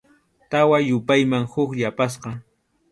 Tawa yupayman huk yapasqa.